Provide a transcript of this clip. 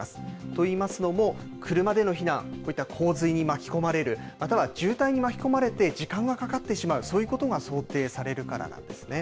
といいますのも、車での避難、こういった洪水に巻き込まれる、または渋滞に巻き込まれて時間がかかってしまう、そういうことが想定されるからなんですね。